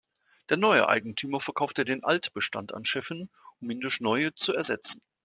Der neue Eigentümer verkaufte den Altbestand an Schiffen, um ihn durch neue zu ersetzen.